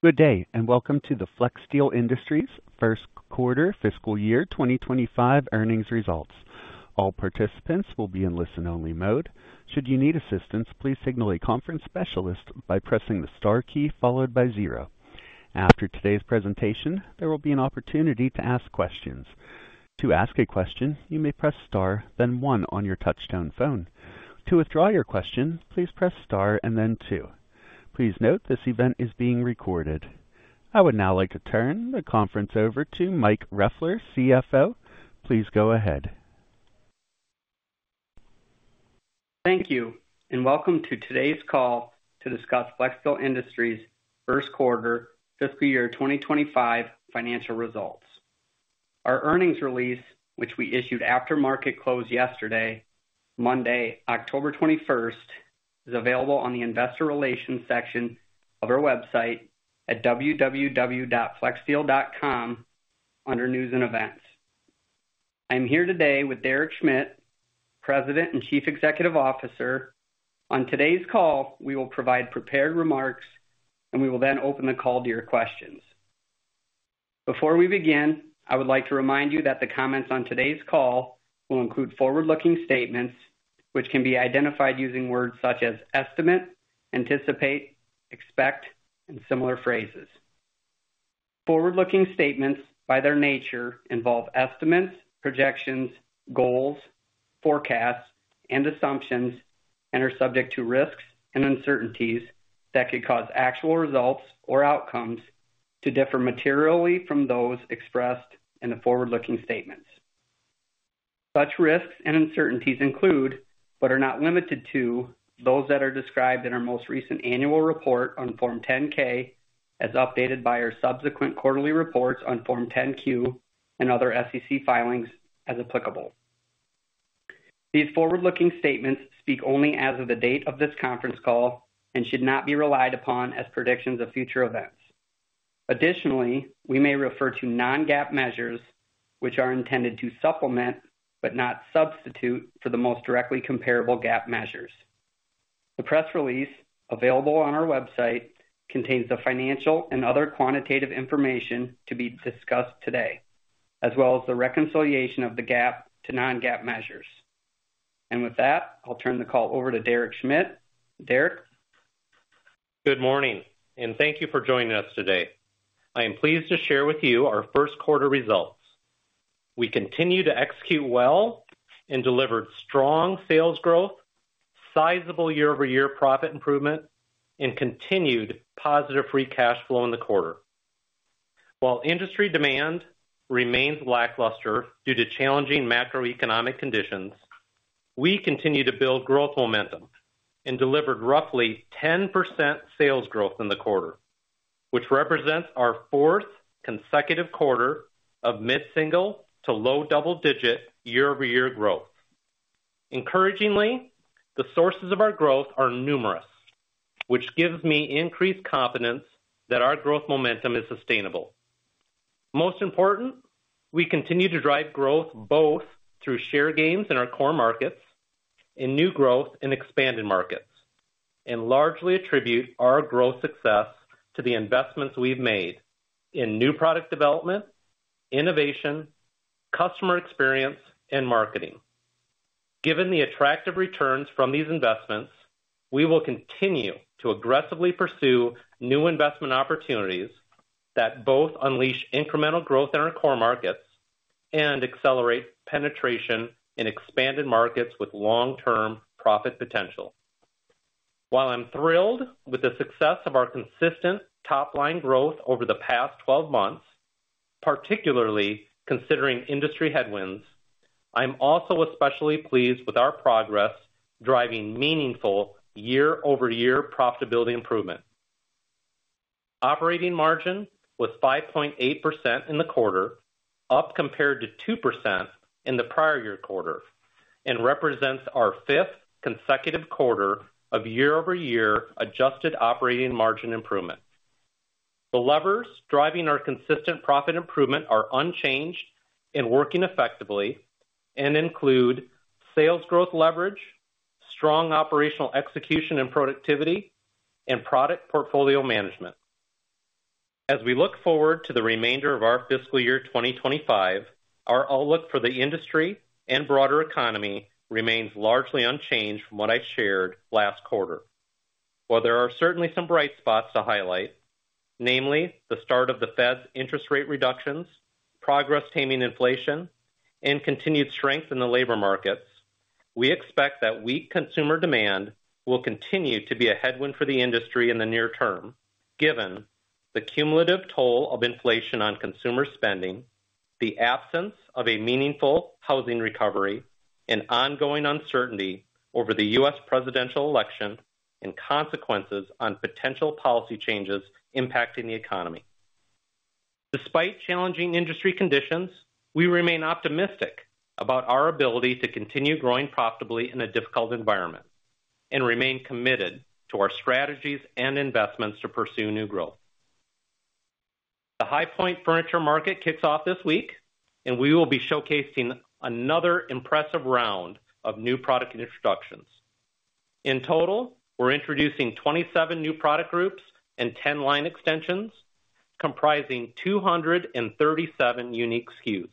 Good day, and welcome to the Flexsteel Industries first quarter fiscal year 2025 earnings results. All participants will be in listen-only mode. Should you need assistance, please signal a conference specialist by pressing the Star key, followed by zero. After today's presentation, there will be an opportunity to ask questions. To ask a question, you may press Star, then one on your touchtone phone. To withdraw your question, please press Star and then two. Please note, this event is being recorded. I would now like to turn the conference over to Mike Ressler, CFO. Please go ahead. Thank you, and welcome to today's call to discuss Flexsteel Industries' first quarter fiscal year 2025 financial results. Our earnings release, which we issued after market close yesterday, Monday, October 21st, is available on the investor relations section of our website at www.flexsteel.com under News & Events. I'm here today with Derek Schmidt, President and Chief Executive Officer. On today's call, we will provide prepared remarks, and we will then open the call to your questions. Before we begin, I would like to remind you that the comments on today's call will include forward-looking statements, which can be identified using words such as estimate, anticipate, expect, and similar phrases. Forward-looking statements, by their nature, involve estimates, projections, goals, forecasts, and assumptions, and are subject to risks and uncertainties that could cause actual results or outcomes to differ materially from those expressed in the forward-looking statements. Such risks and uncertainties include, but are not limited to, those that are described in our most recent annual report on Form 10-K, as updated by our subsequent quarterly reports on Form 10-Q and other SEC filings, as applicable. These forward-looking statements speak only as of the date of this conference call and should not be relied upon as predictions of future events. Additionally, we may refer to non-GAAP measures, which are intended to supplement, but not substitute, for the most directly comparable GAAP measures. The press release available on our website contains the financial and other quantitative information to be discussed today, as well as the reconciliation of the GAAP to non-GAAP measures. And with that, I'll turn the call over to Derek Schmidt. Derek? Good morning, and thank you for joining us today. I am pleased to share with you our first quarter results. We continue to execute well and delivered strong sales growth, sizable year-over-year profit improvement, and continued positive free cash flow in the quarter. While industry demand remains lackluster due to challenging macroeconomic conditions, we continue to build growth momentum and delivered roughly 10% sales growth in the quarter, which represents our fourth consecutive quarter of mid-single to low-double digit year-over-year growth. Encouragingly, the sources of our growth are numerous, which gives me increased confidence that our growth momentum is sustainable. Most important, we continue to drive growth both through share gains in our core markets and new growth in expanded markets and largely attribute our growth success to the investments we've made in new product development, innovation, customer experience, and marketing. Given the attractive returns from these investments, we will continue to aggressively pursue new investment opportunities that both unleash incremental growth in our core markets and accelerate penetration in expanded markets with long-term profit potential. While I'm thrilled with the success of our consistent top-line growth over the past twelve months, particularly considering industry headwinds, I'm also especially pleased with our progress driving meaningful year-over-year profitability improvement. Operating margin was 5.8% in the quarter, up compared to 2% in the prior year quarter, and represents our fifth consecutive quarter of year-over-year adjusted operating margin improvement. The levers driving our consistent profit improvement are unchanged and working effectively and include sales growth leverage, strong operational execution and productivity, and product portfolio management. As we look forward to the remainder of our fiscal year 2025, our outlook for the industry and broader economy remains largely unchanged from what I shared last quarter. While there are certainly some bright spots to highlight, namely the start of the Fed's interest rate reductions, progress taming inflation, and continued strength in the labor markets, we expect that weak consumer demand will continue to be a headwind for the industry in the near term, given the cumulative toll of inflation on consumer spending, the absence of a meaningful housing recovery, and ongoing uncertainty over the U.S. presidential election and consequences on potential policy changes impacting the economy. Despite challenging industry conditions, we remain optimistic about our ability to continue growing profitably in a difficult environment and remain committed to our strategies and investments to pursue new growth. The High Point Furniture Market kicks off this week, and we will be showcasing another impressive round of new product introductions. In total, we're introducing 27 new product groups and 10 line extensions, comprising 237 unique SKUs.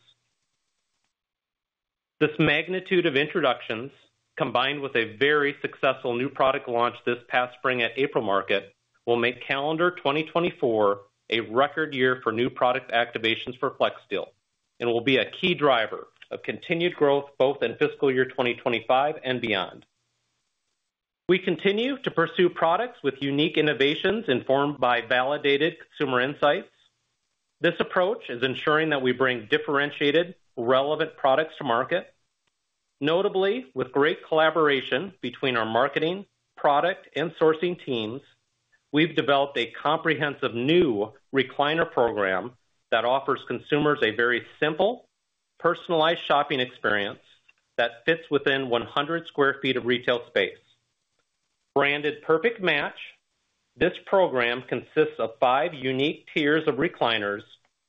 This magnitude of introductions, combined with a very successful new product launch this past spring at April Market, will make calendar 2024 a record year for new product activations for Flexsteel, and will be a key driver of continued growth, both in fiscal year 2025 and beyond. We continue to pursue products with unique innovations informed by validated consumer insights. This approach is ensuring that we bring differentiated, relevant products to market. Notably, with great collaboration between our marketing, product, and sourcing teams, we've developed a comprehensive new recliner program that offers consumers a very simple, personalized shopping experience that fits within 100 sq ft of retail space. Branded Perfect Match, this program consists of five unique tiers of recliners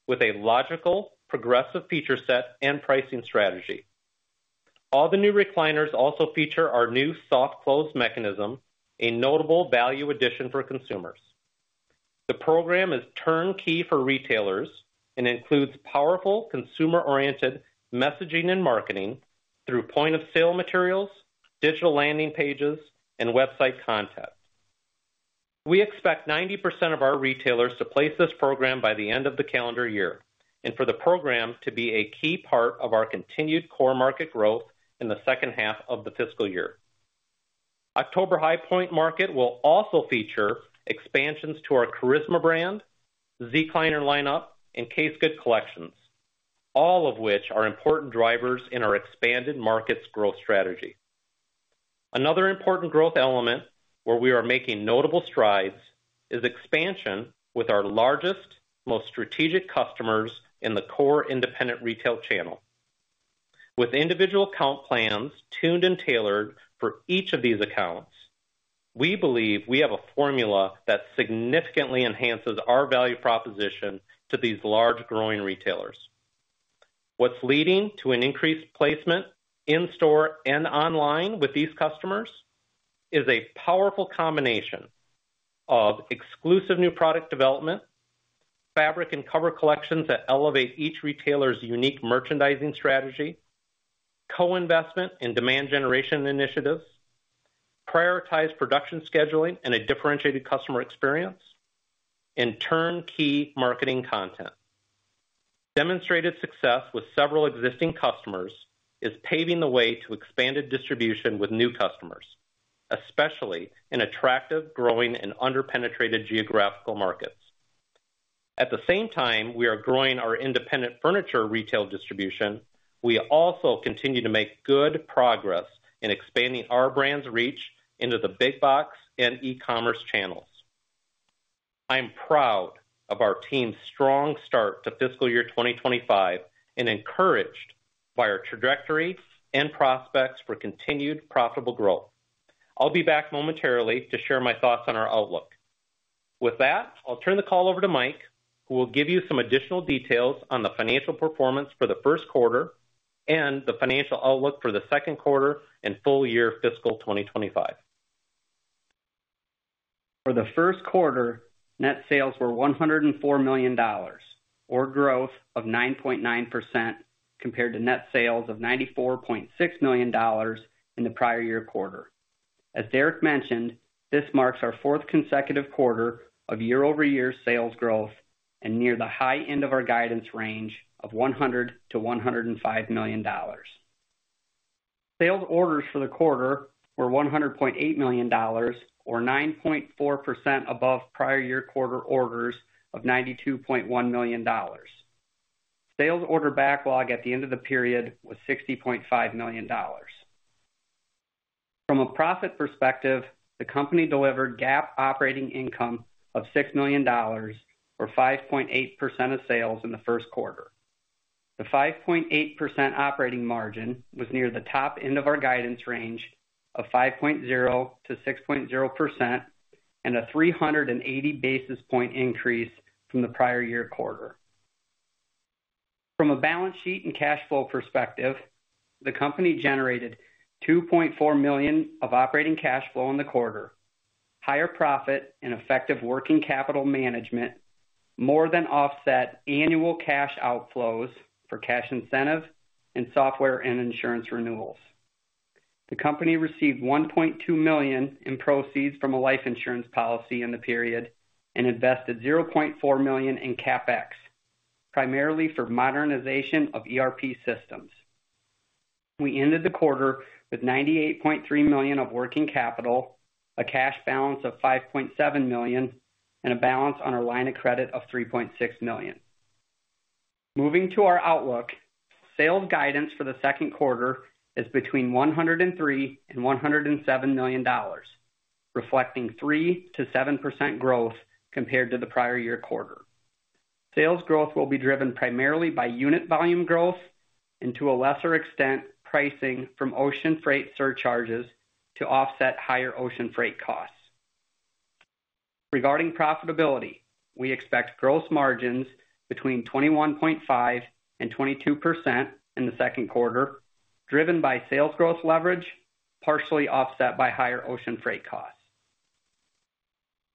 with a logical, progressive feature set and pricing strategy. All the new recliners also feature our new soft-close mechanism, a notable value addition for consumers. The program is turnkey for retailers and includes powerful, consumer-oriented messaging and marketing through point-of-sale materials, digital landing pages, and website content. We expect 90% of our retailers to place this program by the end of the calendar year, and for the program to be a key part of our continued core market growth in the second half of the fiscal year. October High Point Market will also feature expansions to our Charisma brand, Zecliner lineup, and case goods collections, all of which are important drivers in our expanded markets growth strategy. Another important growth element where we are making notable strides is expansion with our largest, most strategic customers in the core independent retail channel. With individual account plans tuned and tailored for each of these accounts, we believe we have a formula that significantly enhances our value proposition to these large, growing retailers. What's leading to an increased placement in store and online with these customers is a powerful combination of exclusive new product development, fabric and cover collections that elevate each retailer's unique merchandising strategy, co-investment in demand generation initiatives, prioritized production scheduling, and a differentiated customer experience, and turnkey marketing content. Demonstrated success with several existing customers is paving the way to expanded distribution with new customers, especially in attractive, growing, and under-penetrated geographical markets. At the same time we are growing our independent furniture retail distribution, we also continue to make good progress in expanding our brand's reach into the big box and e-commerce channels. I am proud of our team's strong start to fiscal year 2025 and encouraged by our trajectory and prospects for continued profitable growth. I'll be back momentarily to share my thoughts on our outlook. With that, I'll turn the call over to Mike, who will give you some additional details on the financial performance for the first quarter and the financial outlook for the second quarter and full year fiscal 2025. For the first quarter, net sales were $104 million, or growth of 9.9% compared to net sales of $94.6 million in the prior year quarter. As Derek mentioned, this marks our fourth consecutive quarter of year-over-year sales growth and near the high end of our guidance range of $100-$105 million. Sales orders for the quarter were $100.8 million, or 9.4% above prior year quarter orders of $92.1 million. Sales order backlog at the end of the period was $60.5 million. From a profit perspective, the company delivered GAAP operating income of $6 million, or 5.8% of sales in the first quarter. The 5.8% operating margin was near the top end of our guidance range of 5.0%-6.0%, and a 380 basis point increase from the prior year quarter. From a balance sheet and cash flow perspective, the company generated $2.4 million of operating cash flow in the quarter. Higher profit and effective working capital management more than offset annual cash outflows for cash incentives and software and insurance renewals. The company received $1.2 million in proceeds from a life insurance policy in the period and invested $0.4 million in CapEx, primarily for modernization of ERP systems. We ended the quarter with $98.3 million of working capital, a cash balance of $5.7 million, and a balance on our line of credit of $3.6 million. Moving to our outlook. Sales guidance for the second quarter is between $103 million and $107 million, reflecting 3% to 7% growth compared to the prior year quarter. Sales growth will be driven primarily by unit volume growth and to a lesser extent, pricing from ocean freight surcharges to offset higher ocean freight costs. Regarding profitability, we expect gross margins between 21.5% and 22% in the second quarter, driven by sales growth leverage, partially offset by higher ocean freight costs.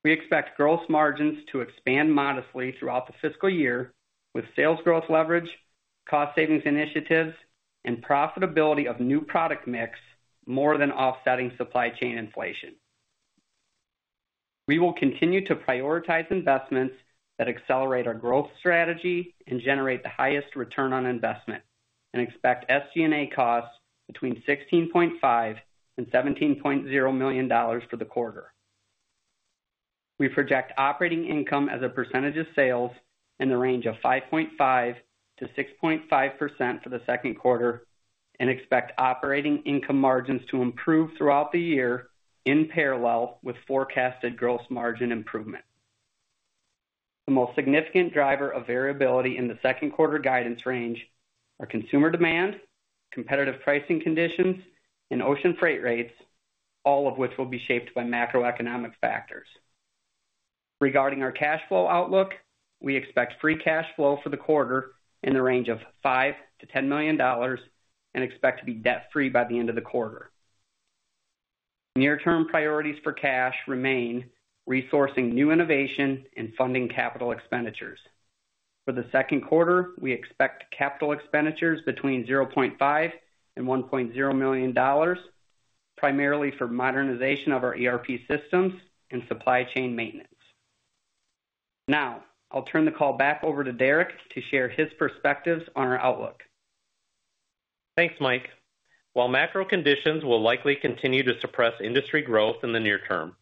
We expect gross margins to expand modestly throughout the fiscal year, with sales growth leverage, cost savings initiatives, and profitability of new product mix more than offsetting supply chain inflation. We will continue to prioritize investments that accelerate our growth strategy and generate the highest return on investment, and expect SG&A costs between $16.5 million and $17.0 million for the quarter. We project operating income as a percentage of sales in the range of 5.5%-6.5% for the second quarter, and expect operating income margins to improve throughout the year in parallel with forecasted gross margin improvement. The most significant driver of variability in the second quarter guidance range are consumer demand, competitive pricing conditions, and ocean freight rates, all of which will be shaped by macroeconomic factors. Regarding our cash flow outlook, we expect free cash flow for the quarter in the range of $5-$10 million and expect to be debt-free by the end of the quarter. Near-term priorities for cash remain resourcing new innovation and funding capital expenditures. For the second quarter, we expect capital expenditures between $0.5 million and $1.0 million, primarily for modernization of our ERP systems and supply chain maintenance. Now, I'll turn the call back over to Derek to share his perspectives on our outlook. Thanks, Mike. While macro conditions will likely continue to suppress industry growth in the near term,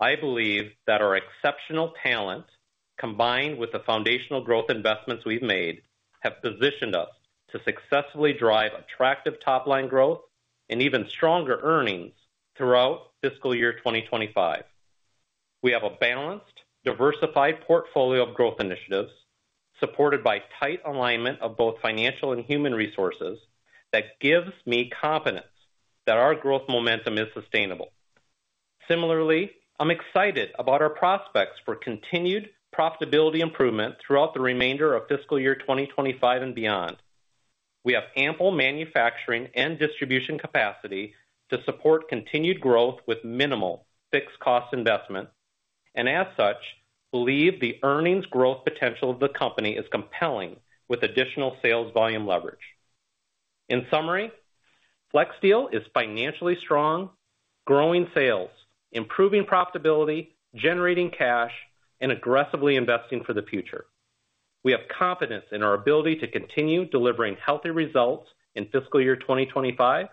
I believe that our exceptional talents, combined with the foundational growth investments we've made, have positioned us to successfully drive attractive top-line growth and even stronger earnings throughout fiscal year 2025. We have a balanced, diversified portfolio of growth initiatives, supported by tight alignment of both financial and human resources, that gives me confidence that our growth momentum is sustainable. Similarly, I'm excited about our prospects for continued profitability improvement throughout the remainder of fiscal year 2025 and beyond. We have ample manufacturing and distribution capacity to support continued growth with minimal fixed cost investment, and as such, believe the earnings growth potential of the company is compelling with additional sales volume leverage. In summary, Flexsteel is financially strong, growing sales, improving profitability, generating cash, and aggressively investing for the future. We have confidence in our ability to continue delivering healthy results in fiscal year 2025,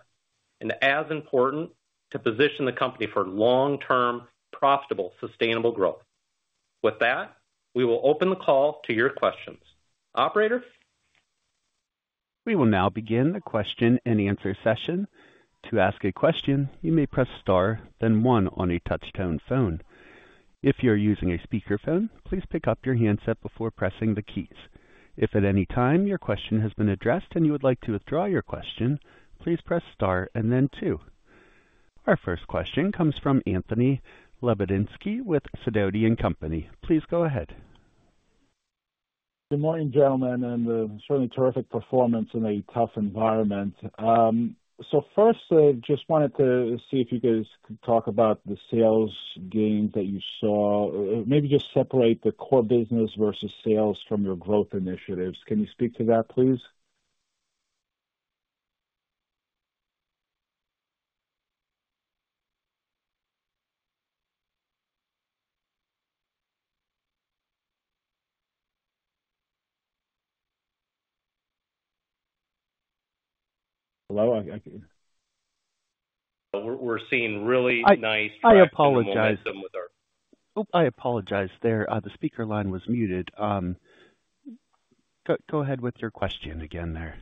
and as important, to position the company for long-term, profitable, sustainable growth. With that, we will open the call to your questions. Operator? We will now begin the question-and-answer session. To ask a question, you may press star, then one on a touch-tone phone. If you're using a speakerphone, please pick up your handset before pressing the keys. If at any time your question has been addressed and you would like to withdraw your question, please press star and then two. Our first question comes from Anthony Lebiedzinski with Sidoti & Company. Please go ahead. Good morning, gentlemen, and certainly terrific performance in a tough environment. So first, just wanted to see if you guys could talk about the sales gains that you saw. Maybe just separate the core business versus sales from your growth initiatives. Can you speak to that, please? Hello, I can... We're seeing really nice- I apologize. Momentum with our- Oh, I apologize there. The speaker line was muted. Go ahead with your question again there.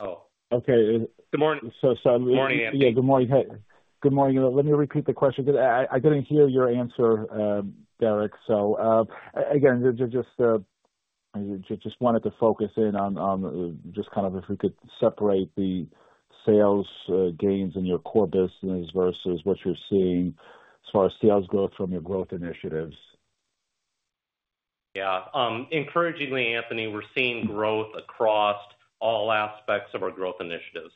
Okay. Good morning. So, sorry Good morning, Anthony. Good morning. Good morning. Let me repeat the question. I didn't hear your answer, Derek. So, again, just wanted to focus in on just kind of if we could separate the sales gains in your core business versus what you're seeing as far as sales growth from your growth initiatives. Yeah. Encouragingly, Anthony, we're seeing growth across all aspects of our growth initiatives.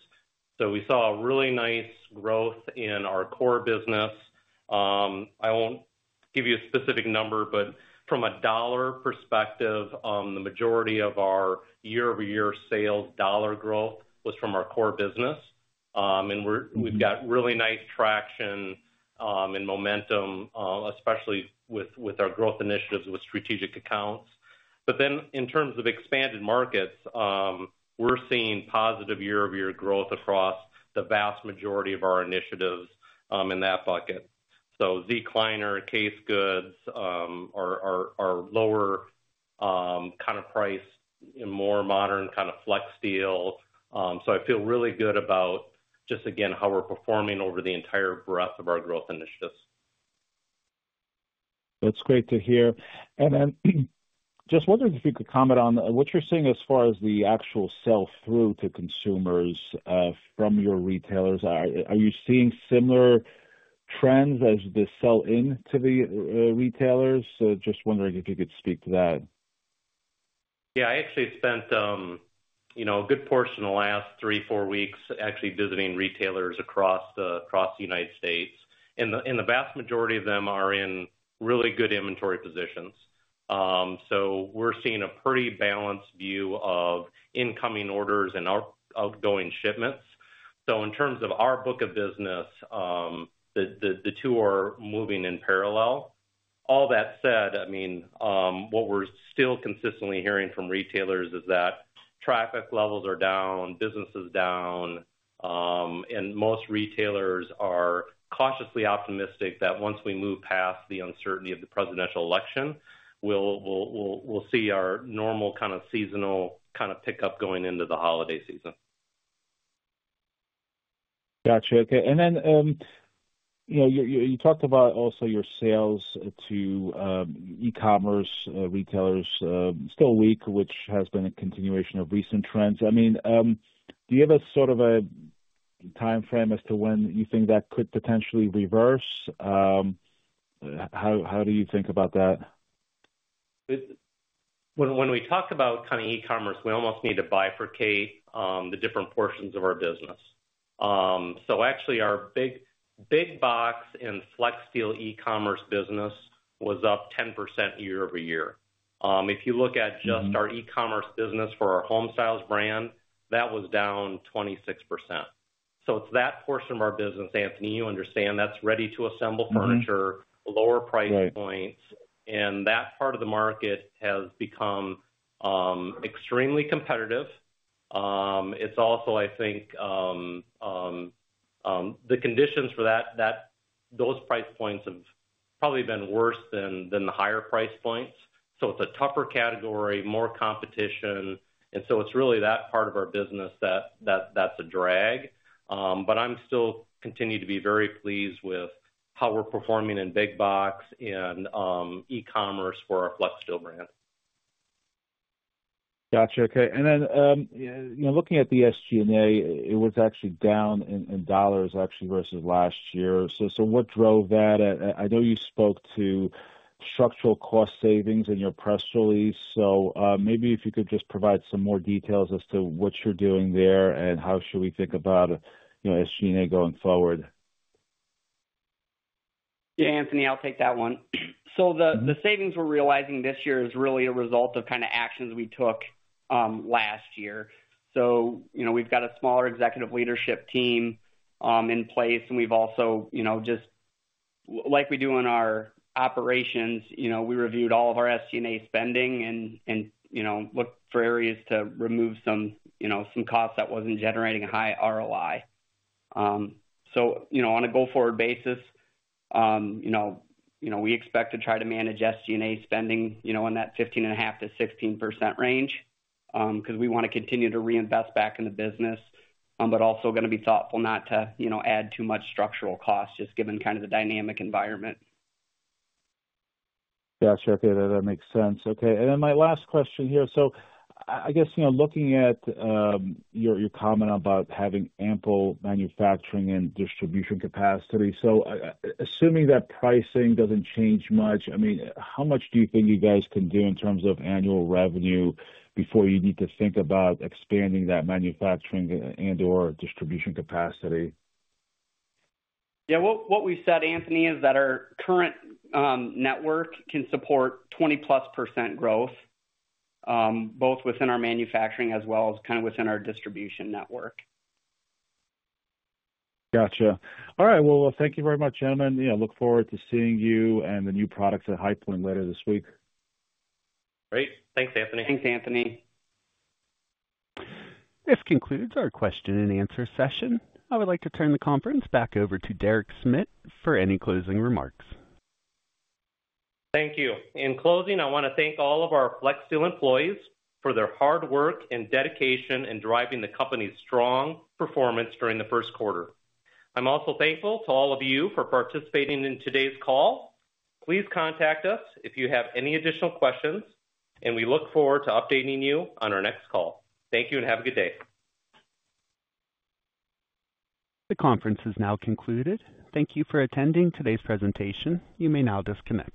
So we saw a really nice growth in our core business. I won't give you a specific number, but from a dollar perspective, the majority of our year-over-year sales dollar growth was from our core business. And we've got really nice traction and momentum, especially with our growth initiatives with strategic accounts. But then in terms of expanded markets, we're seeing positive year-over-year growth across the vast majority of our initiatives in that bucket. So recliner, case goods are lower kind of price and more modern kind of Flexsteel. So I feel really good about just, again, how we're performing over the entire breadth of our growth initiatives. That's great to hear. And then just wondering if you could comment on what you're seeing as far as the actual sell-through to consumers from your retailers. Are you seeing similar trends as the sell-in to the retailers? So just wondering if you could speak to that. Yeah, I actually spent, you know, a good portion of the last three, four weeks actually visiting retailers across the United States, and the vast majority of them are in really good inventory positions. So we're seeing a pretty balanced view of incoming orders and outgoing shipments. So in terms of our book of business, the two are moving in parallel. All that said, I mean, what we're still consistently hearing from retailers is that traffic levels are down, business is down, and most retailers are cautiously optimistic that once we move past the uncertainty of the presidential election, we'll see our normal kind of seasonal kind of pickup going into the holiday season. Gotcha. Okay. And then, you know, you talked about also your sales to e-commerce retailers still weak, which has been a continuation of recent trends. I mean, do you have a sort of a timeframe as to when you think that could potentially reverse? How do you think about that? When we talk about kind of e-commerce, we almost need to bifurcate the different portions of our business. So actually, our big box and Flexsteel e-commerce business was up 10% year-over-year. If you look at just- Mm-hmm. -our e-commerce business for our Homestyles brand, that was down 26%. So it's that portion of our business, Anthony, you understand, that's ready-to-assemble furniture- Mm-hmm. lower price points. Right. That part of the market has become extremely competitive. It's also, I think, those price points have probably been worse than the higher price points. So it's a tougher category, more competition, and so it's really that part of our business that's a drag. But I'm still continue to be very pleased with how we're performing in big box and e-commerce for our Flexsteel brand. Gotcha. Okay. And then, you know, looking at the SG&A, it was actually down in dollars actually versus last year. So what drove that? I know you spoke to structural cost savings in your press release, so maybe if you could just provide some more details as to what you're doing there and how should we think about, you know, SG&A going forward? Yeah, Anthony, I'll take that one. So the savings we're realizing this year is really a result of kind of actions we took last year. So, you know, we've got a smaller executive leadership team in place, and we've also, you know, just like we do in our operations, you know, we reviewed all of our SG&A spending and you know, looked for areas to remove some costs that wasn't generating a high ROI. So, you know, on a go-forward basis, you know, we expect to try to manage SG&A spending in that 15.5%-16% range, 'cause we wanna continue to reinvest back in the business, but also gonna be thoughtful not to add too much structural cost, just given kind of the dynamic environment. Gotcha. Okay, that makes sense. Okay, and then my last question here: So I guess, you know, looking at your comment about having ample manufacturing and distribution capacity, so assuming that pricing doesn't change much, I mean, how much do you think you guys can do in terms of annual revenue before you need to think about expanding that manufacturing and/or distribution capacity? Yeah, what we've said, Anthony, is that our current network can support 20+% growth, both within our manufacturing as well as kind of within our distribution network. Gotcha. All right, well, thank you very much, gentlemen. You know, I look forward to seeing you and the new products at High Point later this week. Great. Thanks, Anthony. Thanks, Anthony. This concludes our question-and-answer session. I would like to turn the conference back over to Derek Schmidt for any closing remarks. Thank you. In closing, I want to thank all of our Flexsteel employees for their hard work and dedication in driving the company's strong performance during the first quarter. I'm also thankful to all of you for participating in today's call. Please contact us if you have any additional questions, and we look forward to updating you on our next call. Thank you and have a good day. The conference is now concluded. Thank you for attending today's presentation. You may now disconnect.